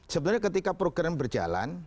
sebenarnya ketika program berjalan